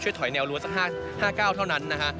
ช่วยถอยแนวรวดสัก๕เก้าเท่านั้นนะฮะ